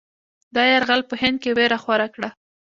دا یرغل په هند کې وېره خوره کړه.